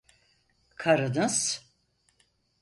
Karınız…